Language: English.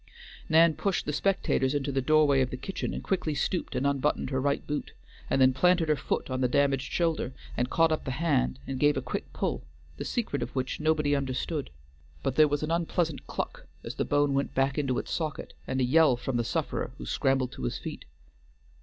Nan pushed the spectators into the doorway of the kitchen, and quickly stooped and unbuttoned her right boot, and then planted her foot on the damaged shoulder and caught up the hand and gave a quick pull, the secret of which nobody understood; but there was an unpleasant cluck as the bone went back into its socket, and a yell from the sufferer, who scrambled to his feet.